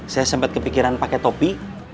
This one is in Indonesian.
saya sempat kepikiran pakai topi